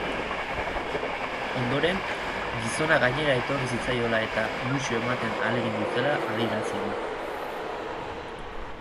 Ondoren, gizona gainera etorri zitzaiola eta musu ematen ahalegindu zela adierazi du.